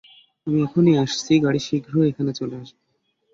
আমি এখনই আসছি গাড়ি শীঘ্রই এখানে চলে আসবে।